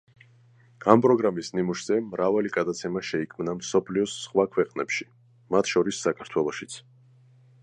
ამ პროგრამის ნიმუშზე მრავალი გადაცემა შეიქმნა მსოფლიოს სხვა ქვეყნებში, მათ შორის საქართველოშიც.